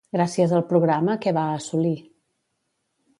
Gràcies al programa, què va assolir?